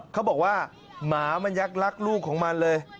เขาบอกว่าหมามันยักษรักลูกของมันเลย